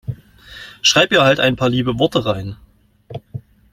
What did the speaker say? Schreib ihr halt ein paar liebe Worte rein.